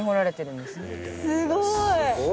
すごーい！